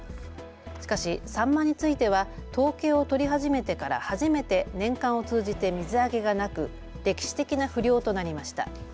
しかしサンマについては統計を取り始めてから初めて年間を通じて水揚げがなく歴史的な不漁となりました。